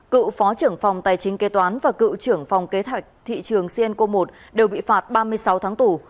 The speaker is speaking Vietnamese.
cựu phó trưởng phòng tài chính kế toán và cựu trưởng phòng kế hoạch thị trường cianco một đều bị phạt ba mươi sáu tháng tù